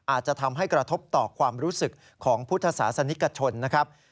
อาจจะทำให้กระทบต่อความรู้สึกของพุทธศาสนิกชนนะครับ